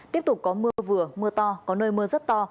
tiếp tục có mưa vừa mưa to có nơi mưa rất to